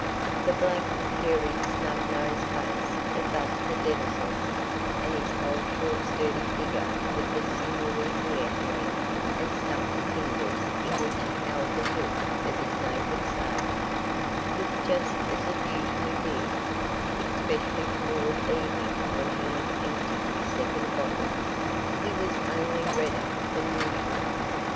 The black, hairy, snub nosed face of Váska Denísov, and his whole short sturdy figure with the sinewy hairy hand and stumpy fingers in which he held the hilt of his naked saber, looked just as it usually did, especially toward evening when he had emptied his second bottle; he was only redder than usual.